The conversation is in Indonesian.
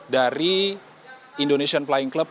dari indonesian flying club